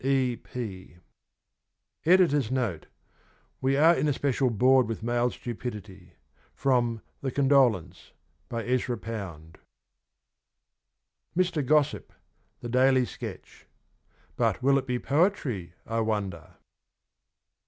E. P. Editor's Note: —*' We are in especial bored with male stupidity.' From ' The Condolence ' by Ezra Pound. MR. GOSSIP, THE DAILY SKETCH. But will it be poetry I wonder